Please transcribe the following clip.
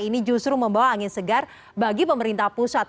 ini justru membawa angin segar bagi pemerintah pusat